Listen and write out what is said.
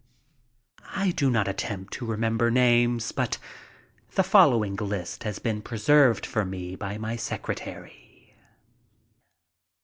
I do not attempt to remember names, but the following list has been preserved for me by my secretary : M.